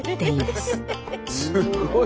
すごい。